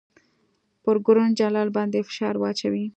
پر ګورنرجنرال باندي فشار واچوي.